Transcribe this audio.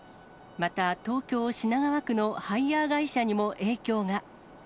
また、東京・品川区のハイヤー会社にも影響が。